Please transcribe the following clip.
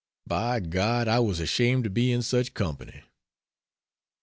By God I was ashamed to be in such company.